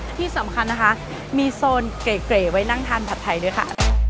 ที่สำคัญนะคะมีโซนเก๋ไว้นั่งทานผัดไทยด้วยค่ะ